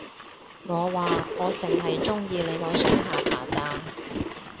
我話，我剩係鍾意你個雙下巴咋